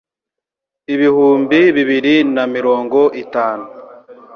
ibihumbi bibiri na mirongo itanu